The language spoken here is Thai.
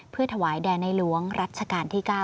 เพื่อถวายแด่ในหลวงรัชกาลที่๙